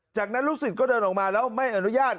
จากนั้นลูกศิษย์ก็เดินออกมาแล้วไม่อนุญาต